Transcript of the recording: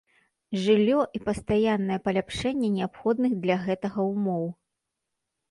Жыллё і пастаяннае паляпшэнне неабходных для гэтага ўмоў.